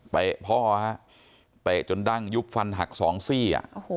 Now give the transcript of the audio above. เป๊ะพ่อเป๊ะจนดั่งยุบฟันหักสองซี่